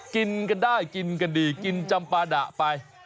กินกันได้กินกันดีกินจำปาดะไป